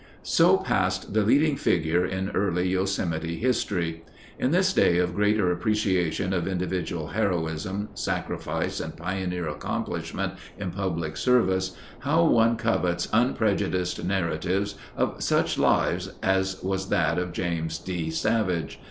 So passed the leading figure in early Yosemite history. In this day of greater appreciation of individual heroism, sacrifice, and pioneer accomplishment in public service, how one covets unprejudiced narratives of such lives as was that of James D. Savage!